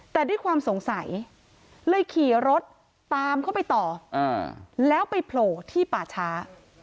แต่ด้วยความสงสัยเลยขี่รถตามเข้าไปต่อแล้วไปโผล่ที่ป่าช้า